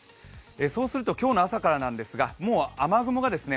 そうすると今日の朝からなんですが雨雲がですね